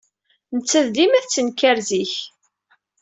Nettat dima tettenkar zik.